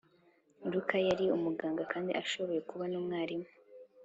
luka yari umuganga kandi ashobora kuba nu mwarimu